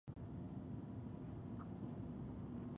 لوستې میندې د ماشوم روغتیا لومړیتوب ګڼي.